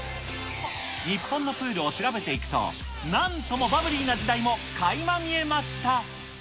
日本のプールを調べていくと、なんともバブリーな時代もかいま見えました。